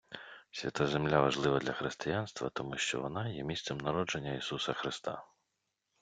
Свята Земля важлива для Християнства тому, що вона є місцем народження Ісуса Христа.